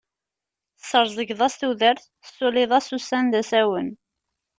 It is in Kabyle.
Tesreẓgeḍ-as tudert, tessuliḍ-as ussan d asawen.